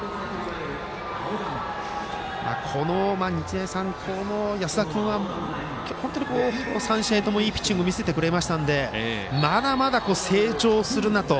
この日大三高の安田君は本当に、３試合ともいいピッチング見せてくれましたのでまだまだ成長するなと。